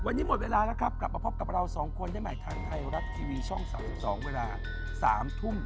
วันนี้หมดเวลาแล้วครับกลับมาพบกับเราสองคนได้ใหม่ทาง